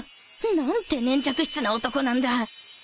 何て粘着質な男なんだ！